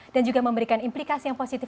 dan juga memberikan implikasi yang positif